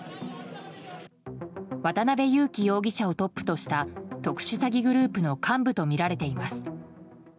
渡辺優樹容疑者をトップとした特殊詐欺グループの幹部とみられています。